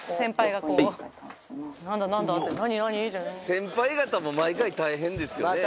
先輩方も毎回大変ですよね。